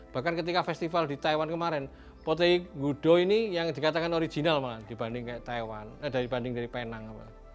bahkan ketika festival di taiwan kemarin potehi ngudo ini yang dikatakan original malah dibanding dari penang